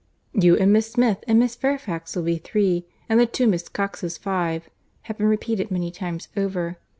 "You and Miss Smith, and Miss Fairfax, will be three, and the two Miss Coxes five," had been repeated many times over.